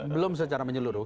belum secara menyeluruh